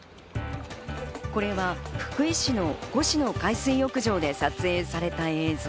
これは福井市の越廼海水浴場で撮影された映像。